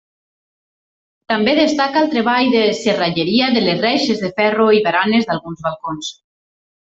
També destaca el treball de serralleria de les reixes de ferro i baranes d'alguns balcons.